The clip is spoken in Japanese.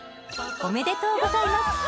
おめでとうございます！